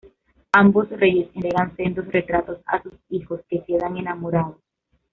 Ambos reyes entregan sendos retratos a sus hijos, que quedan enamorados.